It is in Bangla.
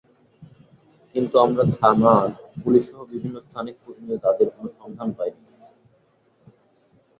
কিন্তু আমরা থানার পুলিশসহ বিভিন্ন স্থানে খোঁজ নিয়ে তাদের কোনো সন্ধান পাইনি।